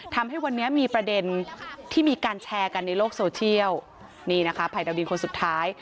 ทำให้วันนี้มีประเด็นที่มีการแชร์กันในโลกโซเชียลนี่นะคะภัยดาวดินคนสุดท้าย